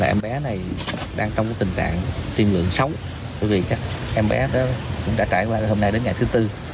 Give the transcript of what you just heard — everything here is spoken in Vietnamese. em bé này đang trong tình trạng tiên lượng xấu vì em bé đã trải qua hôm nay đến ngày thứ tư